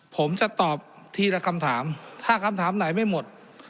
ผมจะตอบทีละคำถามถ้าคำถามไหนไม่หมด